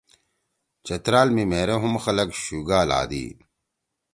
چترال می مھیرے ہُم خلگ شُگا لھادی۔